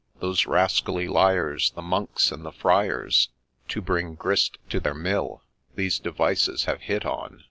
Those rascally liars, the Monks and the Friars, To bring grist to their mill, these devices have hit on.